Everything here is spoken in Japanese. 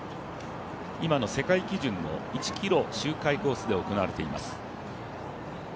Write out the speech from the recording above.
今の世界基準の１ｋｍ周回基準コースで行われています。